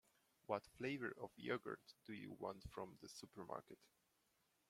What flavour of yoghurt do you want from the supermarket?